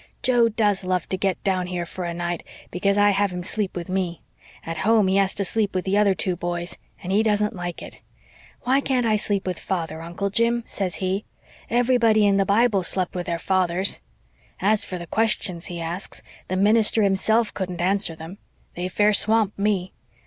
Joe does love to get down here for a night, because I have him sleep with me. At home he has to sleep with the other two boys, and he doesn't like it. Why can't I sleep with father, Uncle Jim?" says he. 'Everybody in the Bible slept with their fathers.' As for the questions he asks, the minister himself couldn't answer them. They fair swamp me.